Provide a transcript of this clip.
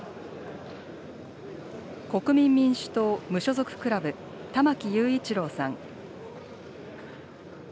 国民民主党・無所属クラブ、玉木雄一郎さん。